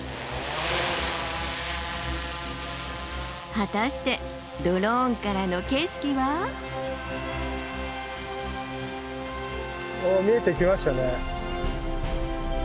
果たしてドローンからの景色は？見えてきましたね。